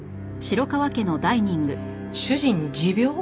主人に持病？